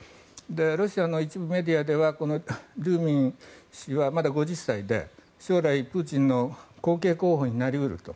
ロシアの一部メディアではこのデューミン氏はまだ５０歳で将来、プーチンの後継候補になり得ると。